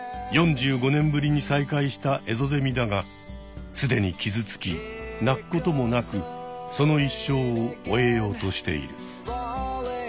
４５年ぶりに再会したエゾゼミだがすでに傷つき鳴くこともなくその一生を終えようとしている。